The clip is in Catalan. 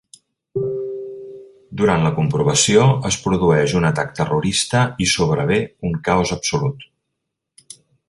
Durant la comprovació, es produeix un atac terrorista i sobrevé un caos absolut.